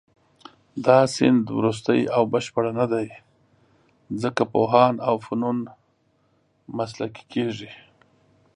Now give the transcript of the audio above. دا سیند وروستۍ او بشپړه نه دی، ځکه پوهه او فنون مسلکي کېږي.